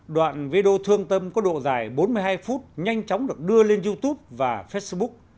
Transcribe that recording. đoạn video thương tâm có độ dài bốn mươi hai phút nhanh chóng được đưa lên youtube và facebook